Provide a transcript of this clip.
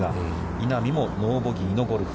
稲見もノーボギーのゴルフ。